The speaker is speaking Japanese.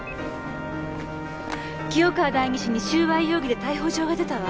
清川代議士に収賄容疑で逮捕状が出たわ。